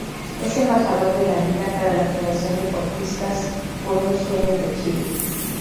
Es "Embajador de la vida" para la Fundación deportistas por un sueño de Chile.